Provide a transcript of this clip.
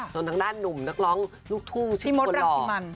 ส่วนทางด้านหนุ่มนักร้องลูกทู่ชื่อคนหล่อ